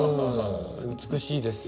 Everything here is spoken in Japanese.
美しいですよ。